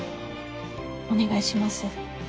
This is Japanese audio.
お願いします。